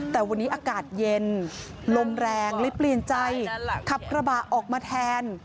แต่วันนี้อากาศเย็นลมแรงเลยเปลี่ยนใจขับกระบะออกมาแทน